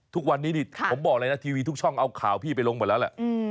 ทุกวันนี้นี่ผมบอกเลยนะทีวีทุกช่องเอาข่าวพี่ไปลงหมดแล้วแหละ